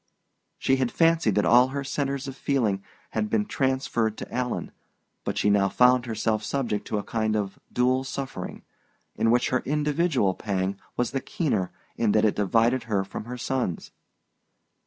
She had fancied that all her centres of feeling had been transferred to Alan; but she now found herself subject to a kind of dual suffering, in which her individual pang was the keener in that it divided her from her son's.